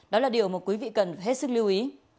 đó là điều mà quý vị cần phải hết sức lưu ý